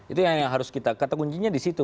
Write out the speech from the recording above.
itu yang harus kita kata kuncinya di situ